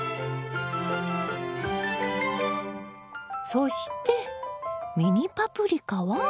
そしてミニパプリカは？